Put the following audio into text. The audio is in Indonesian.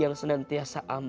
yang senantiasa aman di jalanmu